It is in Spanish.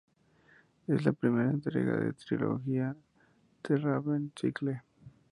Es la primera entrega de la trilogía "The Raven Cycle".